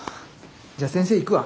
じゃあ先生行くわ。